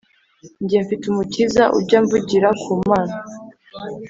Njye mfite umukiza ujya amvugira ku mana